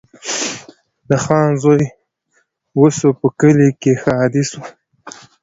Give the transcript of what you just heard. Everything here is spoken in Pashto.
د خان زوی وسو په کلي کي ښادي سوه